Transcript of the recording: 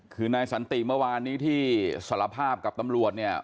คือนายสนับประกอบเต็มเมื่อวานที่สารภาพกับตำรวจ